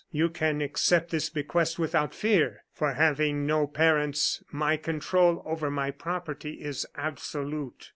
"You can accept this bequest without fear; for, having no parents, my control over my property is absolute.